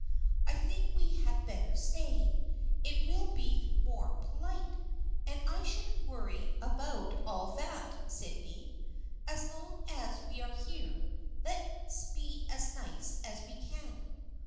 I think we had better stay. It will be more polite — and I shouldn't worry about all that, Sydney. As long as we are here, let's be as nice as we can."